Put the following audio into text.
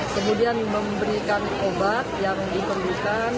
kemudian memberikan obat yang diperlukan